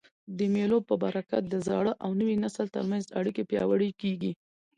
د مېلو په برکت د زاړه او نوي نسل تر منځ اړیکي پیاوړي کېږي.